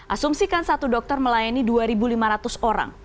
asumsikan satu dokter melayani dua lima ratus orang